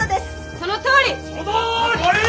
そのとおり！